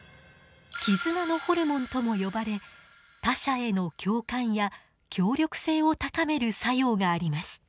絆のホルモンとも呼ばれ他者への共感や協力性を高める作用があります。